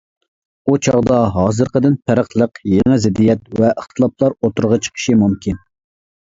ئۇ چاغدا ھازىرقىدىن پەرقلىق يېڭى زىددىيەت ۋە ئىختىلاپلار ئوتتۇرىغا چىقىشى مۇمكىن.